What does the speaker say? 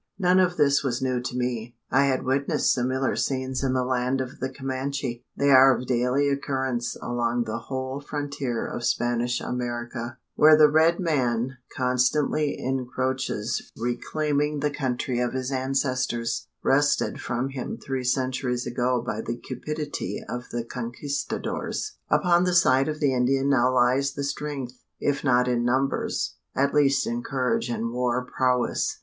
None of this was new to me. I had witnessed similar scenes in the land of the Comanche. They are of daily occurrence along the whole frontier of Spanish America: where the red man constantly encroaches reclaiming the country of his ancestors, wrested from him three centuries ago by the cupidity of the Conquistadores. Upon the side of the Indian now lies the strength if not in numbers at least in courage and war prowess.